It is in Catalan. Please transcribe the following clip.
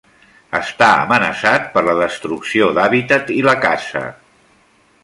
Està amenaçat per la destrucció d'hàbitat i la caça.